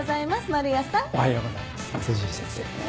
おはようございます丸屋さん。